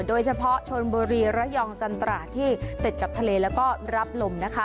โดยเฉพาะชนบุรีระยองจันตราที่ติดกับทะเลแล้วก็รับลมนะคะ